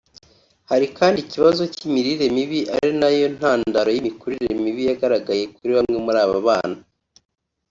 Hari kandi ikibazo cy’imirire mibi ari nayo ntandaro y’imikurire mibi yagaragaye kuri bamwe muri abo bana